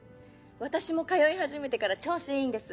私も通い始めてから調子いいんです。